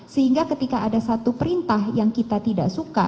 sehingga ketika ada satu perintah yang kita tidak suka